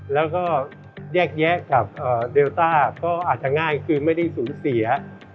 แล้วก็แยกแยะกับเดลต้าก็อาจจะง่ายคือไม่ได้สูญเสีย